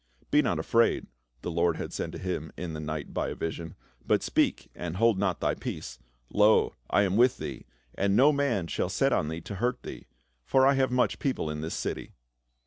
" Be not afraid," the Lord had said to him in the night by a vision, " but speak, and hold not thy peace. Lo, I am with thee, and no man shall set on thee to hurt thee ; for I have much people in this city."